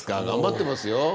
頑張ってますよ。